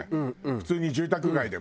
普通に住宅街でも。